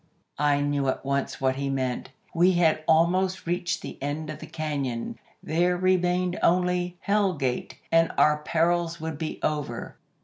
"I knew at once what he meant. We had almost reached the end of the cañon. There remained only Hell Gate, and our perils would be over.